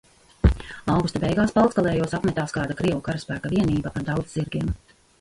"Augusta beigās "Palckalējos" apmetās kāda krievu karaspēka vienība ar daudz zirgiem."